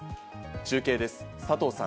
中継です、佐藤さん。